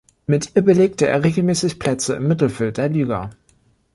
Mit ihr belegte er regelmäßig Plätze im Mittelfeld der Liga.